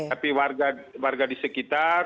tapi warga di sekitar